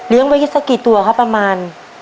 ไว้สักกี่ตัวครับประมาณ